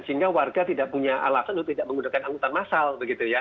sehingga warga tidak punya alasan untuk tidak menggunakan angkutan massal begitu ya